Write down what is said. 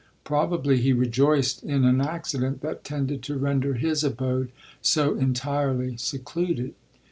Probably he rejoiced in an accident that tended to render his abode so entirely secluded.